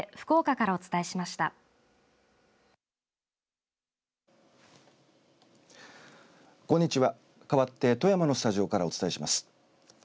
かわって富山のスタジオからお伝えします。